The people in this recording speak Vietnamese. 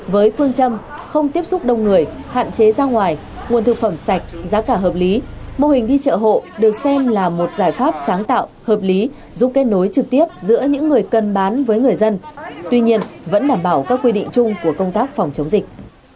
với phương châm không tiếp xúc đông người hạn chế ra ngoài nguồn thực phẩm sạch giá cả hợp lý mô hình đi chợ hộ được xem là một giải pháp sáng tạo hợp lý giúp kết nối trực tiếp giữa những người cần bán với người dân tuy nhiên vẫn đảm bảo các quy định chung của công tác phòng chống dịch